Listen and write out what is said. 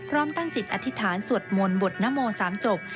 ร่วมตั้งจิตอธิษฐานสวดมนต์บทนโม๓จบ